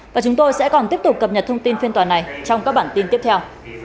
và chúng tôi sẽ còn tiếp tục cập nhật thông tin phiên tòa này trong các bản tin tiếp theo